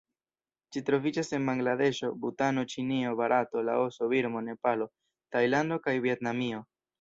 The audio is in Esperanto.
Ĝi troviĝas en Bangladeŝo, Butano, Ĉinio, Barato, Laoso, Birmo, Nepalo, Tajlando kaj Vjetnamio.